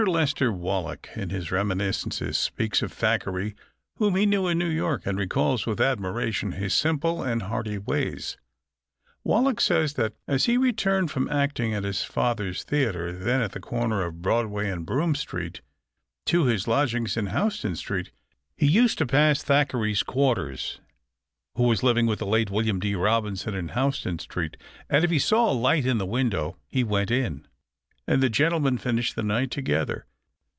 Lester Wallack in his reminiscences speaks of Thackeray, whom he knew in New York, and recalls with admiration his simple and hearty ways. Wallack says that as he returned from acting at his father's theatre, then at the corner of Broadway and Broome Street, to his lodgings in Houston Street, he used to pass Thackeray's quarters, who was living with the late William D. Robinson in Houston Street, and if he saw a light in the window he went in, and the gentlemen finished the night together.